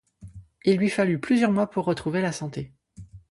Il lui fallut plusieurs mois pour retrouver la santé.